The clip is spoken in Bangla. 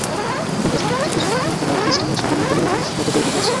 কিন্তু সাম্প্রতিক কিছু ঘটনার কারণে সিরিজটা নিয়ে সামান্য হলেও অনিশ্চয়তা তৈরি হয়েছে।